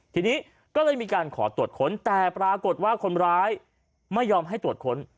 ทีนี้ก็เลยมีการขอตรวจค้นแต่ปรากฏว่าคนร้ายไม่ยอมให้ตรวจค้น